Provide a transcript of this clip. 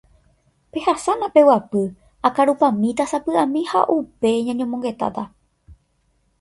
Pehasána peguapy akarupamíta sapy'ami ha upéi ñañomongetáta.